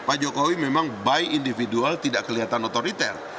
pak jokowi memang by individual tidak kelihatan otoriter